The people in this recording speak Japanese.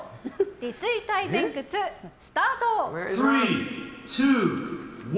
立位体前屈スタート！